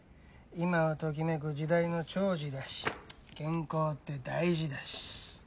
今を時めく時代の寵児だし健康って大事だし。